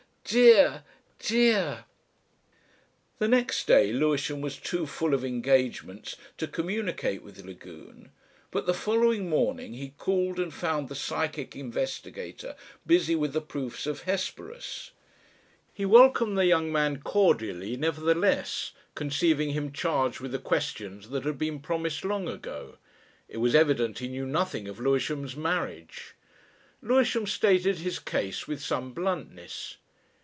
Dear! Dear...." The next day Lewisham was too full of engagements to communicate with Lagune, but the following morning he called and found the psychic investigator busy with the proofs of Hesperus. He welcomed the young man cordially nevertheless, conceiving him charged with the questions that had been promised long ago it was evident he knew nothing of Lewisham's marriage. Lewisham stated his case with some bluntness.